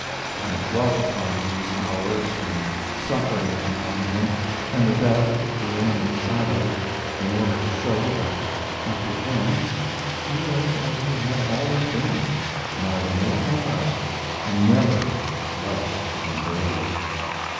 I have dwelt upon these hours when suffering was upon him, and death the imminent shadow, in order to show that at the end he was as he had always been, neither more nor less, and never less than brave.